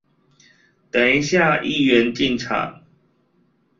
等一下議員進場